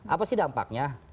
apa sih dampaknya